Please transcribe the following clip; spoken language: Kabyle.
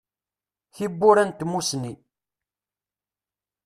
Tiwwura n tmussni.